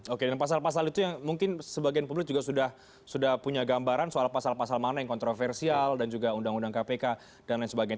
oke dan pasal pasal itu yang mungkin sebagian publik juga sudah punya gambaran soal pasal pasal mana yang kontroversial dan juga undang undang kpk dan lain sebagainya